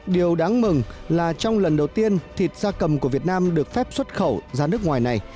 điều đáng mừng là trong lần đầu tiên thịt da cầm của việt nam được phép xuất khẩu ra nước ngoài này